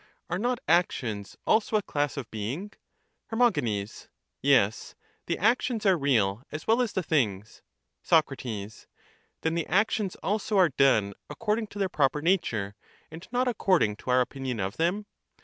Are not actions also a class of being? and are made Her. Yes, the actions are real as well as the things. °^ ''""f ''^^'_" natural pro Soc. Then the actions also are done according to their cess. proper nature, and not according to our opinion of them?